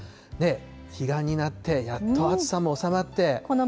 彼岸になって、やっと暑さも収まって。